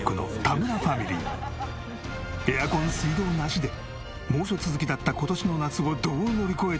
エアコン水道なしで猛暑続きだった今年の夏をどう乗り越えたのか？